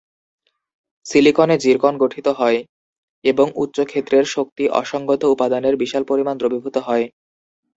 সিলিকনে zircon গঠিত হয় এবং উচ্চ ক্ষেত্রের শক্তি অসঙ্গত উপাদানের বিশাল পরিমাণ দ্রবীভূত হয়।